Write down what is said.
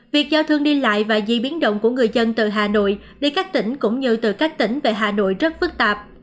việc giao thương đi lại và di biến động của người dân từ hà nội đi các tỉnh cũng như từ các tỉnh về hà nội rất phức tạp